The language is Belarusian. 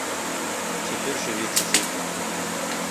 Цяпер жывіце з імі.